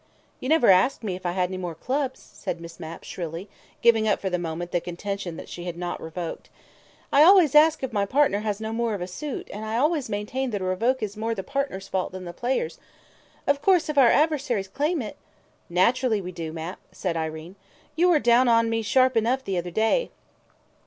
"You never asked me if I had any more clubs," said Miss Mapp shrilly, giving up for the moment the contention that she had not revoked. "I always ask if my partner has no more of a suit, and I always maintain that a revoke is more the partner's fault than the player's. Of course, if our adversaries claim it " "Naturally we do, Mapp," said Irene. "You were down on me sharp enough the other day."